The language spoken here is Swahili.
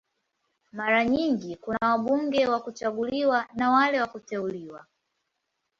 Mara nyingi kuna wabunge wa kuchaguliwa na wale wa kuteuliwa.